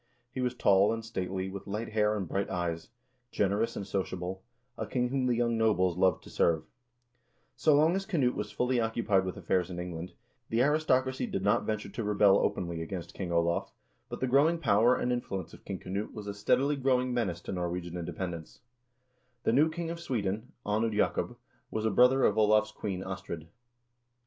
He was tall and stately, with light hair and bright eyes, generous and sociable, a king whom the young cobles loved to serve. So long as Knut was fully occupied with affairs in England, the aristocracy did not venture to rebel openly against King Olav, but the growing power 1 Heimskringla, Saga of Olav the Saint, ch. 181. 262 HISTORY OF THE NORWEGIAN PEOPLE and influence of King Knut was a steadily growing menace to Nor wegian independence. The new king of Sweden, Anund Jacob, was a brother of Olav's queen, Astrid.